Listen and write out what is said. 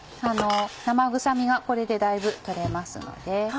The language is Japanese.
生臭みがこれでだいぶ取れますので。